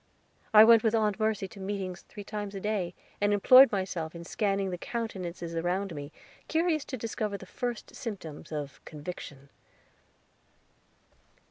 I went with Aunt Mercy to meetings three times a day, and employed myself in scanning the countenances around me, curious to discover the first symptoms of Conviction.